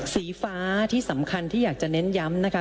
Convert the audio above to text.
สีฟ้าที่สำคัญที่อยากจะเน้นย้ำนะคะ